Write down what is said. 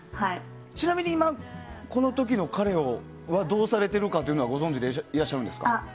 この時の彼はどうされているのかご存じでいらっしゃるんですか？